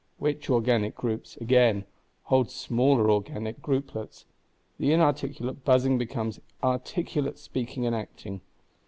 Which organic groups, again, hold smaller organic grouplets: the inarticulate buzzing becomes articulate speaking and acting.